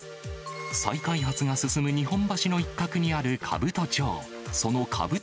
再開発が進む日本橋の一角にある兜町。